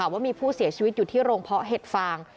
ว่ามีผู้เสียชีวิตอยู่ที่โรงเพาะเห็ดฟาง